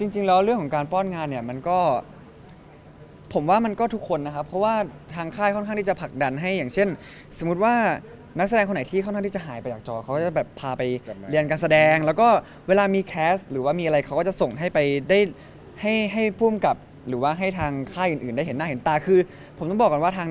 จริงแล้วเรื่องของการป้อนงานเนี่ยมันก็ผมว่ามันก็ทุกคนนะครับเพราะว่าทางค่ายค่อนข้างที่จะผลักดันให้อย่างเช่นสมมุติว่านักแสดงคนไหนที่ค่อนข้างที่จะหายไปจากจอเขาก็จะแบบพาไปเรียนการแสดงแล้วก็เวลามีแคสต์หรือว่ามีอะไรเขาก็จะส่งให้ไปได้ให้ผู้อำกับหรือว่าให้ทางค่ายอื่นได้เห็นหน้าเห็นตาคือผมต้องบอกก่อนว่าทาง